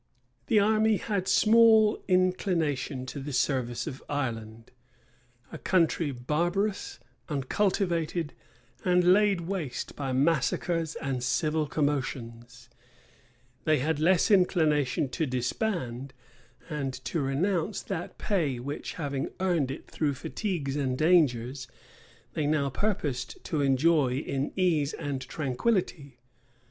The army had small inclination to the service of Ireland; a country barbarous, uncultivated, and laid waste by massacres and civil commotions: they had less inclination to disband, and to renounce that pay which, having earned it through fatigues and dangers, they now purposed to enjoy in ease and tranquillity.